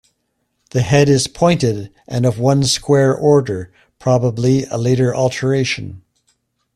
The head is pointed and of one square order, probably a later alteration.